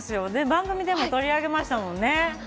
番組でも取り上げましたよね。